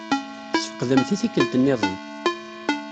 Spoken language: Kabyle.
Ssfeqdemt i tikkelt nniḍen.